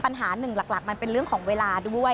ปัญหาหนึ่งหลักมันเป็นเรื่องของเวลาด้วย